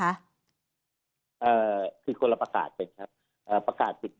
คือคนละประกาศเป็นครับ